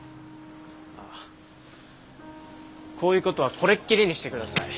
あこういうことはこれっきりにしてください。